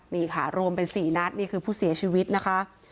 นี่ค่ะรวมเป็น๔นัดนี่คือผู้เสียชีวิตนะคะ